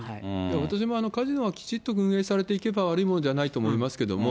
私もカジノはきちっと運営されていけば悪いものではないと思いますけれども。